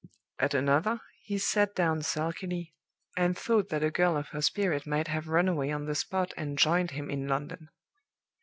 At another he sat down sulkily, and thought that a girl of her spirit might have run away on the spot and joined him in London.